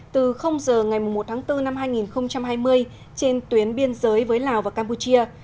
từ giờ ngày một tháng bốn năm hai nghìn hai mươi trên tuyến biên giới với lào và campuchia